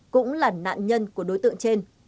cũng là nạn nhân của đối tượng trên